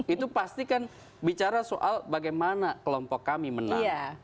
itu pasti kan bicara soal bagaimana kelompok kami menang